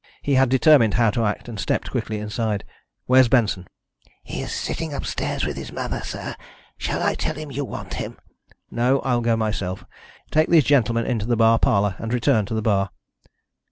He had determined how to act, and stepped quickly inside. "Where's Benson?" "He's sitting upstairs with his mother, sir. Shall I tell him you want him?" "No. I will go myself. Take these gentlemen into the bar parlour, and return to the bar."